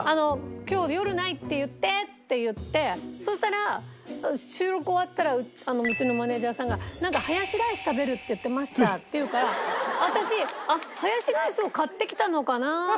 「今日夜ないって言って」って言ってそしたら収録終わったらうちのマネージャーさんが「なんかハヤシライス食べるって言ってました」って言うから私ハヤシライスを買ってきたのかなって思ってて。